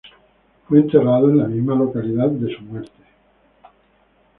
Fue enterrado en la misma localidad de su muerte.